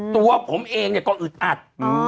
ตัวผมเองเนี่ยก็อึดอัด